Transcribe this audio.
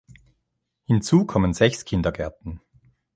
Hinzu kommen sechs Kindergärten.